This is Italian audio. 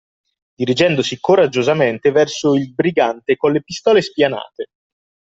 Dirigendosi coraggiosamente verso il brigante colle pistole spianate.